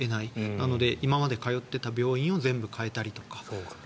なので、今まで通っていた病院を全部変えたりとか。